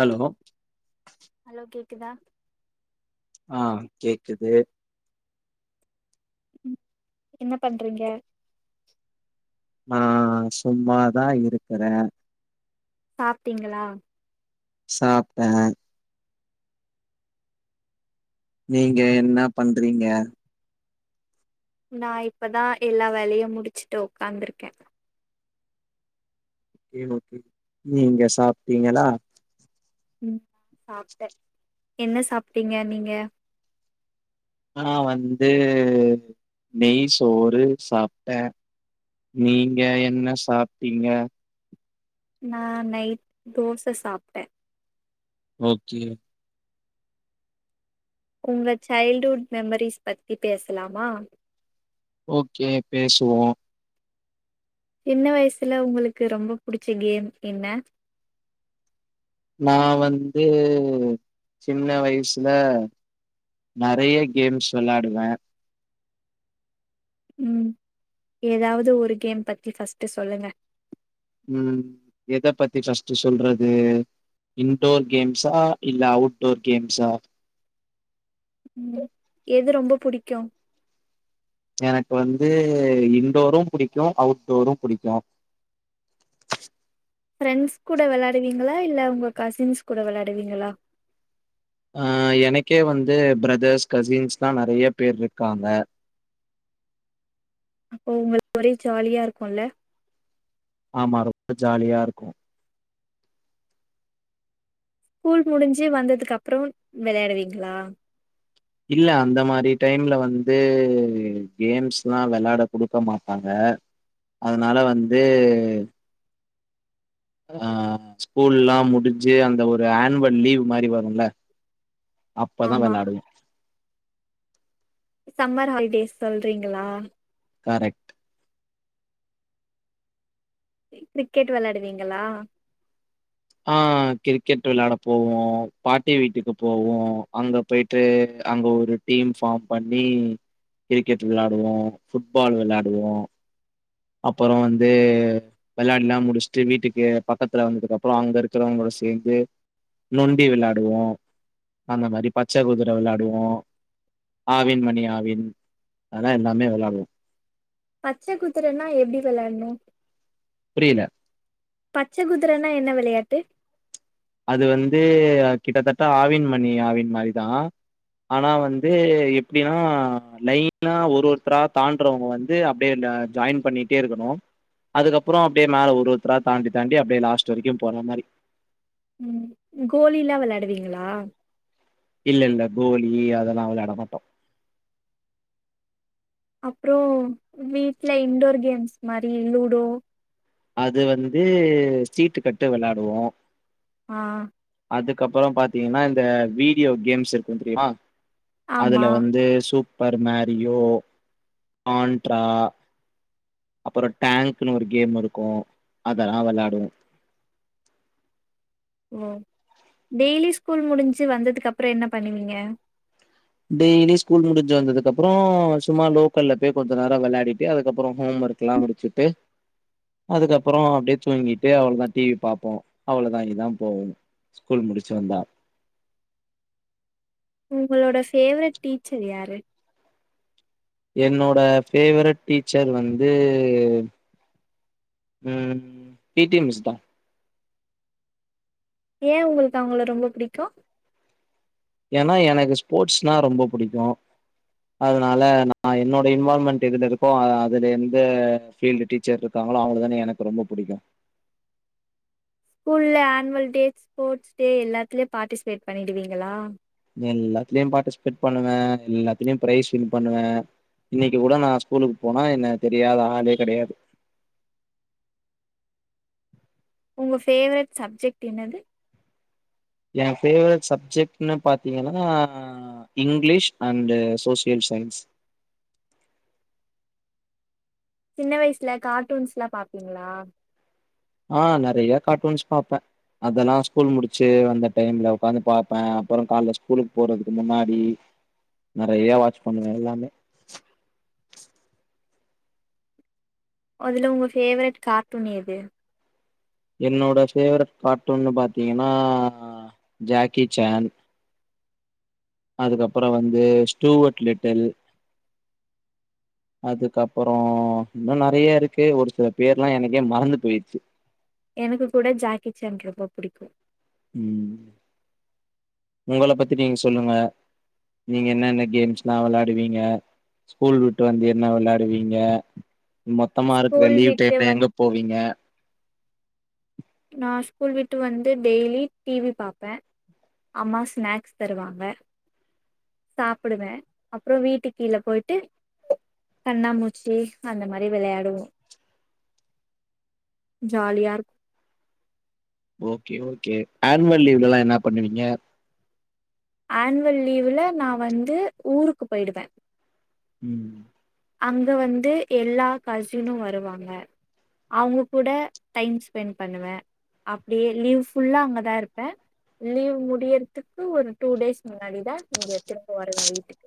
hello hello கேக்குதா ஆ கேக்குது ம் என்ன பண்றீங்க ஆ சும்மாதா இருக்குற சாப்ட்டீங்களா சாப்ட்ட நீங்க என்ன பண்றீங்க நா இப்பதா எல்லா வேலயு முடிச்சுட்டு உக்காந்துருக்கே [unintelligible] நீங்க சாப்ட்டீங்களா சாப்ட்டே என்ன சாப்ட்டீங்க நீங்க நா வந்து நெய் சோறு சாப்ட்டே நீங்க என்ன சாப்பிட்டீங்க நா நைய் தோச சாப்ட்டே ஓக்கே உங்க சைல்டுஹுட் மெமரிஸ் பத்தி பேசலாமா ஓக்கே பேசுவோ சின்ன வயசுல உங்களுக்கு ரொம்ப புடிச்ச கேம் என்ன நா வந்து சின்ன வயசுல நெறைய கேம்ஸ் வெளாடுவே ம் ஏதாவது ஒரு கேம் பத்தி ஃபர்ஸ்ட்டு சொல்லுங்க ம் எத பத்தி ஃப்ர்ஸ்ட்டு சொல்றது இன்டோர் கேம்ஸ் ஆ இல்ல அவுட் டோர் கேம்ஸா ம் எது ரொம்ப புடிக்கு எனக்கு வந்து இன்டோரு புடிக்கு அவுட்டோரு புடிக்கு ஃப்ரெண்ட்ஸ் கூட வெளாடுவீங்களா இல்ல உங்க கசின்ஸ் கூட வெளாடுவீங்களா ஆ எனக்கே வந்து பிரதர்ஸ் கசின்ஸ்ல்லா நெறைய பேர் இருக்காங்க அப்போ உங்களுக்கு ஒரே ஜாலியா இருக்குல ஆமா ரொம்ப ஜாலியா இருக்கு ஸ்கூல் முடிஞ்சு வந்ததுக்கு அப்றோ வெளாடுவீங்களா இல்ல அந்த மாரி டைம்ல வந்து கேம்ஸ்லா வெளாட கொடுக்க மாட்டாங்க அதனால வந்து அ ஸ்கூல்லா முடிஞ்சு அந்த ஒரு ஆன்வல் லீவ் மாரி வருல அப்பதா ஆமா வெளாடுவோ சம்மர் ஹாலிடேஸ் சொல்றீங்களா கரெக்ட் கிரிக்கெட் வெளாடுவீங்களா ஆ கிரிக்கெட் வெளாட போவோ பாட்டி வீட்டுக்கு போவோ அங்க போயிட் ட்டு அங்க ஒரு டீம் ஃபார்ம் பண்ணி கிரிக்கெட் வெளாடுவோ ஃபுட்பால் வெளாடுவோ அப்பறோ வந்து வெளாண்டுலா முடிச்சுட்டு வீட்டுக்கு பக்கத்துல வந்ததுக்கு அப்பறோ அங்க இருக்கிறவங்க சேர்ந்து நொண்டி வெளாடுவோ அந்த மாரி பச்ச குதிர வெளாடுவோ ஆவின் மணி ஆவின் அதா எல்லாமே வெளாடுவோ பச்ச குதிரன்னா எப்டி விளாட்ணு புரியல பச்ச குதிரன்னா என்ன விளயாட்டு அது வந்து கிட்டத்தட்ட ஆவின் மணி ஆவின் மாரிதா ஆனா வந்து எப்டின்னா லைனா ஒரு ஒருத்தரா தாண்டுறவங்க வந்து அப்டியே ஆ ஜாயின் பண்ணிட்டே இருக்கணு அதுக்கப்பறோ அப்டியே மேல ஒரு ஒருத்தரா தாண்டி தாண்டி அப்டியே லாஸ்ட் வரக்கு போற மாரி ம் கோலியிலா வெளாடுவீங்களா இல்ல இல்ல கோலி அதெல்லா விளாட மாட்டோம் அப்புறோ வீட்ல இன்டோர் கேம்ஸ் மாரி லூடோ அது வந்து சீட்டு கட்டு விளாடுவோம் ஆ அதுக்கப்புறோ பாத்தீங்கன்னா இந்த வீடியோ கேம்ஸ் இருக்கும் தெரியுமா அதுல ஆமா வந்து சூப்பர் மேரியோ பான்ட்ரா அப்புறோ டேங்க்குன்னு ஒரு கேம் இருக்கும் அதெல்லா விளாடுவோம் ஓ டெய்லி ஸ்கூல் முடிஞ்சு வந்ததுக்குப்புறோ என்ன பண்ணுவீங்க டெய்லி ஸ்கூல் முடிஞ்சி வந்ததுக்கப்புறோ சும்மா லோக்கல்ல போய் கொஞ்சோ நேறோ விளயாடிட்டு அதுக்கப்புறோ ஹோம் ஒர்க் எல்லாம் முடிச்சுட்டு அதுக்கப்புறோ அப்டியே தூங்கிட்டு அவளோதா டிவி பாப்போம் அவ்ளவுதா இதா போகும் ஸ்கூல் முடிச்சி வந்தா உங்களோட ஃபேவரட் டீச்சர் யாரு என்னோட ஃபேவரட் டீச்சர் வந்து ம் பீ டி மிஸ்தா ஏ உங்களுக்கு அவுங்கள ரொம்ப புடிக்கும் ஏன்னா எனக்கு ஸ்போட்ஸ்னா ரொம்ப புடிக்கும் அதனால நா என்னோட இன்வால்மென்ட் எதுல இருக்கோ அதுல இருந்து ஃபீல்டு டீச்சர் இருக்காங்களோ அவுங்க தான எனக்கு ரொம்ப புடிக்கும் ஸ்கூல்ல ஆனுவல் டேஸ் ஸ்போர்ட் டே எல்லாத்துலயு பார்டிசிபேட் பண்ணிடுவீங்களா எல்லாத்துலயும் பார்ட்டிசபேட் பண்ணுவேன் எல்லாத்துலயும் பிரைஸ் வின் பண்ணுவன் இன்னிக்கு கூட நா ஸ்கூலுக்கு போனா என்ன தெரியாத ஆளே கெடயாது உங்க ஃபேவரெட் சப்ஜெக்ட் என்னது என் ஃபேவரட் சப்ஜெக்ட்ன்னு பாத்தீங்கன்னா அ இங்கிலீஷ் அண்டு சோசியல் சயின்ஸ் சின்ன வயசுல கார்ட்டூன்ஸ்ல்லா பாப்பீங்களா ஆ நெறய கார்ட்டூன்ஸ் பாப்பேன் அதெல்லா ஸ்கூல் முடிச்சு வந்த டைம்ல உக்காந்து பாப்பேன் அப்புறோ கால்ல ஸ்கூலுக்கு போறதுக்கு முன்னாடி நெறய வாட்ச் பண்ணுவேன் எல்லாமே அதுல உங்க ஃபேவரட் காட்டூன் எது என்னோட ஃபவரெட் கார்ட்டூன்னு பார்த்தீங்கன்னா ஜாக்கி ஜான் அதுக்கப்புறோ வந்து ஸ்டூவர்ட் லிட்டில் அதுக்கப்புறோ இன்னும் நெறய இருக்கு ஒரு சில பேர்ல்லா எனக்கே மறந்து போயிடுச்சு எனக்கு கூட ஜாக்கி ஜன் ரொம்ப புடிக்கும் உம் உங்கள பத்தி நீங்க சொல்லுங்க நீங்க என்னென்ன கேம்ஸ் எல்லா விளாடுவீங்க ஸ்கூல் விட்டு வந்து என்ன விளாடுவீங்க மொத்தமா இருக்குற ஸ்கூல் லீவ் விட்டு டைம்ல வந் எங்க போவீங்க நா ஸ்கூல் விட்டு வந்து டெய்லி டிவி பாப்பேன் அம்மா ஸ்நாக்ஸ் தருவாங்க சாப்டுவன் அப்புறோ வீட்டு கீழ போயிட்டு கண்ணாமூச்சி அந்த மாரி விளையாடுவோம் ஜாலியாரு ஓகே ஓகே ஆனுவல் லீவ்லல்ல என்ன பண்ணுவீங்க ஆன்வல் லீவுல நா வந்து ஊருக்கு போயிடுவேன் உம் அங்க வந்து எல்லா கசினும் வருவாங்க அவங்க கூட டைம் ஸ்பென் பண்ணுவ அப்டியே லீவ் ஃபுல்லா அங்கதா இருப்ப லீவ் முடியறதுக்கு ஒரு டூ டேஸ் முன்னாடிதா இங்க திரும்ப வருவே வீட்டுக்கு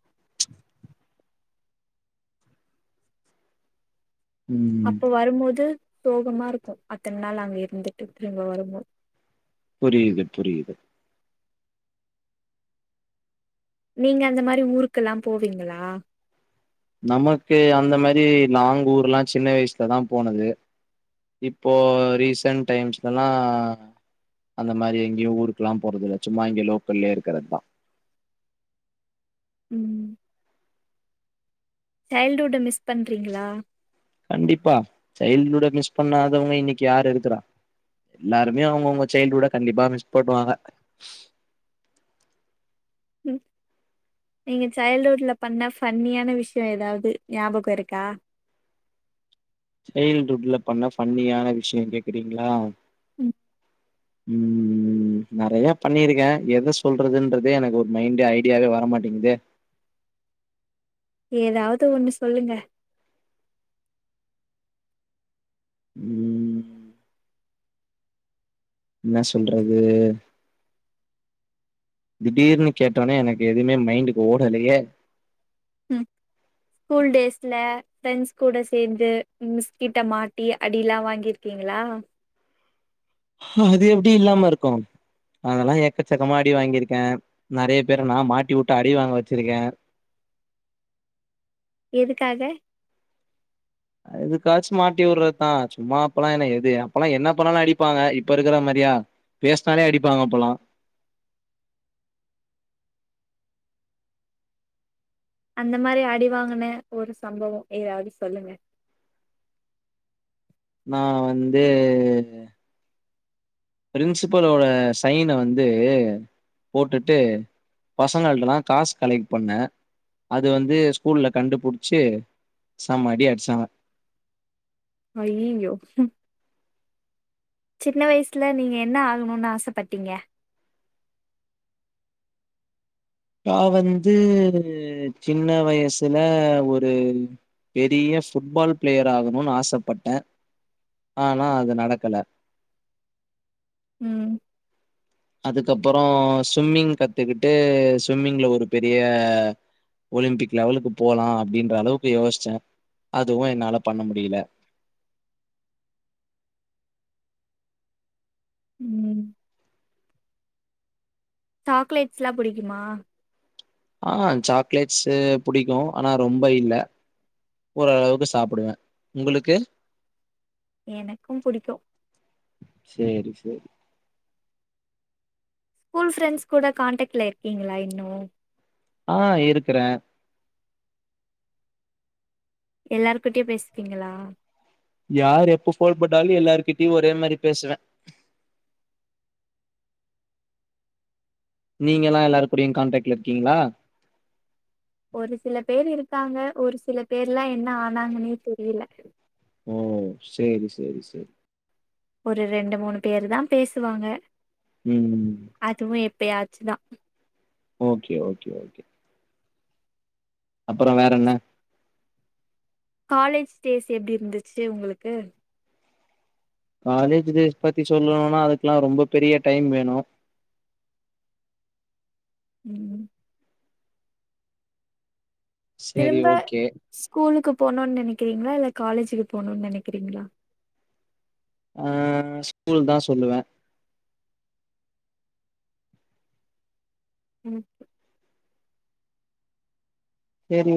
ம் அப்போ வரும்போது சோகமா இருக்கும் அத்தன நாள் அங்க இருந்துட்டு திரும்ப வரும்போது புரிது புரியுது நீங்க அந்த மாதிரி ஊருக்கெல்லாம் போவீங்களா நமக்கு அந்த மாதிரி லாங் ஊர் எல்லாம் சின்ன வயசுலதா போனது இப்போ ரீசன்ட் டைம்ஸ்லல்லா அந்த மாதிரி எங்கயும் ஊருக்குல்லாம் போறதுதில்ல சும்மா இங்கே லோக்கல்லயே இருக்கிறதுதா ம் சைல்டுஹுட்ட மிஸ் பண்ணுறீங்களா கண்டிப்பா சைல்டுஹுட்ட மிஸ் பண்ணாதவங்க இன்னைக்கு யாரு இருக்குறா எல்லாருமே அவங்கவுங்க சைல்டுஹுட்ட கண்டிப்பா மிஸ் பண்ணுவாங்க ம் நீங்க சைல்டு்ஹுட்ல பண்ண ஃபன்னியான விஷயம் ஏதாவது ஞாபகம் இருக்கா சைல்டுஹுட்டல பண்ண ஃபன்னியான விஷயம் கேக்குறீங்களா உம் ம் ம் நிறைய பண்ணிருக்கே எத சொல்றதுன்றதே எனக்கு ஒரு மைண்ட் ஐடியாவே வரமாட்டேங்குதே ஏதாவது ஒண்ணு சொல்லுங்க உம் என்ன சொல்றது திடீர்னு கேட்டோடனே எனக்கு எதுவுமே மைண்டுக்கு ஓடலையே ம் ஸ்கூல் டேஸ்ல ஃப்ரெண்டஸ் கூட சேர்ந்து மிஸ்கிட்ட மாட்டி அடியிலா வாங்கிருக்கீங்களா அது எப்படி இல்லாம இருக்கு அதெல்லா எக்கச்சக்கமா அடி வாங்கியிருக்க நிறைய பேரு நா மாட்டி விட்டு அடி வாங்க வச்சிருக்கே எதுக்காக அதுக்காச்சும் மாட்டி விடுறதுதா சும்மா அப்பெல்லாம் என்ன எது அப்பெல்லாம் என்ன பண்ணாலும் அடிப்பாங்க இப்ப இருக்கிற மாதிரியா பேசினாலே அடிப்பாங்க அப்பல்லா அந்த மாதிரி அடி வாங்கின ஒரு சம்பவம் எதாது சொல்லுங்க நா வந்து பிரின்சிபலோட சைன வந்து போட்டுட்டு பசங்கள்டல்லா காசு கலெக்ட் பண்ண அது வந்து ஸ்கூல்லல கண்டுபிடிச்சு சம அடி அடிச்சாங்க அய்யயோ ம் சின்ன வயசில்ல நீங்க என்ன ஆகணும்ன்னு ஆசப்பட்டீங்க நா வந்து சின்ன வயசுல ஒரு பெரிய ஃபுட்பால் பிளேயர் ஆகணும்ன்னு ஆசப்பட்டேன் ஆனா அது நடக்கல உம் அதுக்கப்புறம் சுவிம்மிங் கத்துக்கிட்டு சுவிம்மிங்ல ஒரு பெரிய ஒலிம்பிக் லெவலுக்கு போலாம் அப்படின்ற அளவுக்கு யோசிச்சே அதுவும் என்னால்லா பண்ண முடியல ம் சாக்லேட்ஸ்லா புடிக்குமா ஆ சாக்லேட்ஸு புடிக்கூ ஆனா ரொம்ப இல்ல ஓர அவுக்கு சாப்புடுவே உங்களுக்கு எனக்கும் பிடிக்கூ சேரி சேரி கூல் ஃப்ரெண்ட்ஸ் கூட காண்டக்ட்ல இருக்கீங்களா இன்னு ஆ இருக்குற எல்லார்கிட்டயு பேசுத்தீங்களா யார் எப்ப போல் போட்டாலு எல்லாருகிட்டயு ஒரே மாரி பேசுவ நீங்கலா எல்லாரு கூடயு கான்டக்ட்ல இருக்கீங்களா ஒரு சில பேர் இருக்காங்க ஒரு சில பேர்லா என்ன ஆனாங்கன்னே தெரியல ஓ சேரி சேரி சேரி ஒரு ரெண்டு மூணு பேரு தா பேசுவாங்க ம் ம் அதுவு எப்பயாச்சுதா ஓக்கே ஓக்கே ஓக்கே அப்பற வேற என்ன காலேஜ் டேஸ் எப்டி இருந்துச்சி உங்களுக்கு காலேஜ் டேஸ் பத்தி சொல்லுணுனா அதுக்கெல்லா ரொம்ப பெரிய டைம் வேணு ம் ம் சேரி திரும்ப ஓகே ஸ்கூலுக்கு போணு நெனக்கிறீங்களா இல்ல காலேஜுக்கு போணு நெனக்கிறீங்களா ஆ ஸ்கூல் தா சொல்லுவ ம் செரி